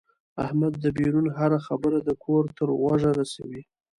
احمد دبیرون هره خبره د کور تر غوږه رسوي.